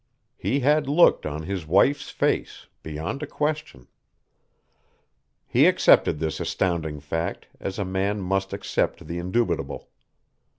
He had looked on his wife's face beyond a question. He accepted this astounding fact as a man must accept the indubitable.